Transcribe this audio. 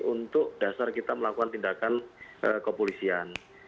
untuk dasar kita melakukan tindakan kepolisian